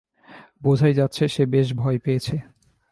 বোঝাই যাচ্ছে সে বেশ ভয় পেয়েছে।